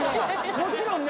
もちろんね